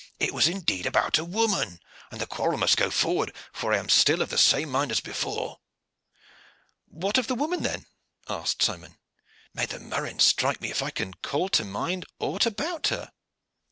"It was indeed about a woman; and the quarrel must go forward, for I am still of the same mind as before." "What of the woman, then?" asked Simon. "May the murrain strike me if I can call to mind aught about her."